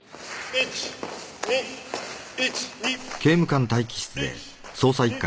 １２１２。